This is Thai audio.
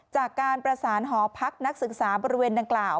จากการประสานหอพักนักศึกษาบริเวณดังกล่าว